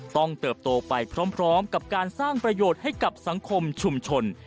เติบโตไปพร้อมกับการสร้างประโยชน์ให้กับสังคมชุมชน